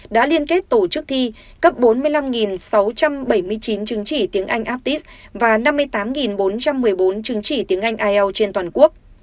đã liên kết tổ chức thi cấp bốn mươi năm sáu trăm bảy mươi chín chứng chỉ tiếng anh aptis và năm mươi tám bốn trăm một mươi bốn chứng chỉ tiếng anh ielt trên toàn quốc